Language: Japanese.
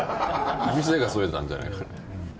店が添えたんじゃない。